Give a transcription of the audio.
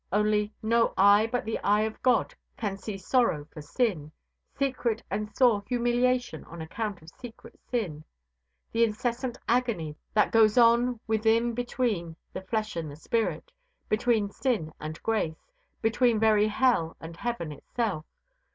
Only, no eye but the eye of God can see sorrow for sin secret and sore humiliation on account of secret sin the incessant agony that goes on within between the flesh and the spirit, between sin and grace, between very hell and heaven itself.